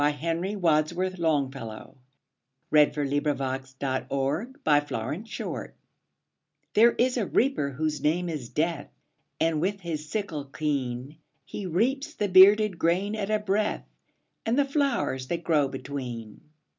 Henry Wadsworth Longfellow The Reaper And The Flowers THERE is a Reaper whose name is Death, And, with his sickle keen, He reaps the bearded grain at a breath, And the flowers that grow between.